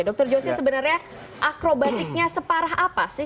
dokter jose sebenarnya akrobatiknya separah apa sih